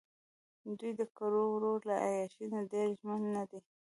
دوۍ دکړو وړو له عیاشۍ نه ډېر ژمن نه دي.